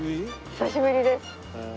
久しぶりです。